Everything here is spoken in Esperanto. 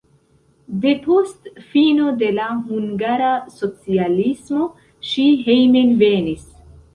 Depost fino de la hungara socialismo ŝi hejmenvenis.